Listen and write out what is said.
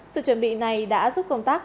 sự chuẩn bị này đã giúp công tác